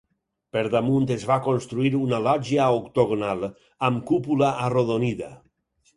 Per damunt es va construir una lògia octogonal amb cúpula arrodonida.